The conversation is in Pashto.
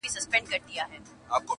رنګ د جهاني د غزل میو ته لوېدلی دی٫